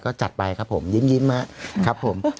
ก็จัดไปครับผมยิ้มไป